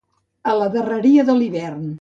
A la darreria de l'hivern.